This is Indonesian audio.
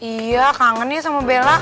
iya kangennya sama bella